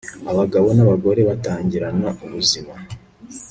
Abagabo nabagore batangirana ubuzima